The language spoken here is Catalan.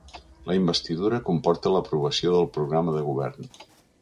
La investidura comporta l’aprovació del programa de govern.